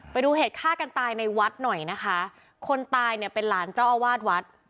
ไปดูเหตุฆ่ากันตายในวัดหน่อยนะคะคนตายเนี่ยเป็นหลานเจ้าอาวาสวัด